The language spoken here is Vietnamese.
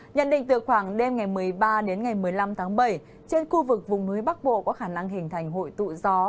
nhận định từ khoảng đêm ngày một mươi ba đến ngày một mươi năm tháng bảy trên khu vực vùng núi bắc bộ có khả năng hình thành hội tụ gió